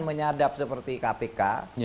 menyadap seperti kpk